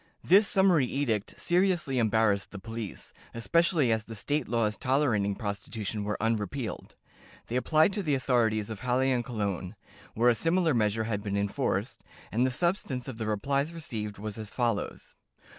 This summary edict seriously embarrassed the police, especially as the state laws tolerating prostitution were unrepealed. They applied to the authorities of Halle and Cologne, where a similar measure had been enforced, and the substance of the replies received was as follows.